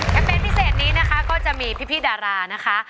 เปญพิเศษนี้นะคะก็จะมีพี่ดารานะคะ